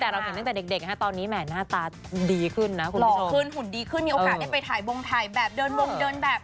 หล่อขึ้นหุ่นดีขึ้นมีโอกาสได้ไปถ่ายบางถ่ายแบบเดินบางเดินแบบ